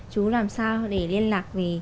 chú làm sao để liên lạc